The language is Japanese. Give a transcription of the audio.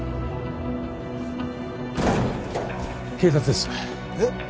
警察ですえっ？